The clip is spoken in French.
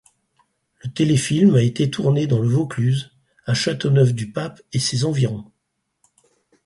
Le téléfilm a été tourné dans le Vaucluse, à Châteauneuf-du-Pape et ses environs.